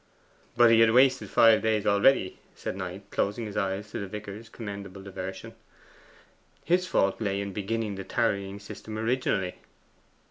'But he had wasted five days already,' said Knight, closing his eyes to the vicar's commendable diversion. 'His fault lay in beginning the tarrying system originally.